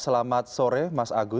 selamat sore mas agus